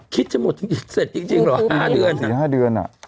คิดจะหมดเสร็จจริงจริงหรอห้าเดือนสี่ห้าเดือนอ่ะอ๋อ